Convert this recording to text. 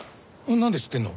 なんで知ってんの？